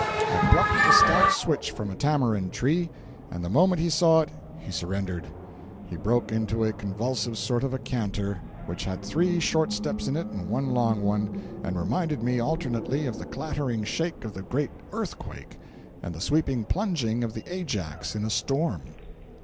I plucked a stout switch from a tamarind tree, and the moment he saw it, he surrendered. He broke into a convulsive sort of a canter, which had three short steps in it and one long one, and reminded me alternately of the clattering shake of the great earthquake, and the sweeping plunging of the Ajax in a storm.